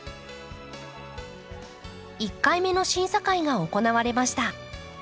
１回目の審査会が行われました。